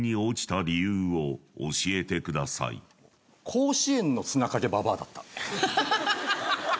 甲子園の砂かけババアだった。